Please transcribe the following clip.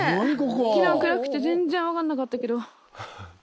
昨日は暗くて全然分かんなかったけど。